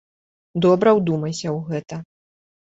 Добра ўдумайся ў гэта.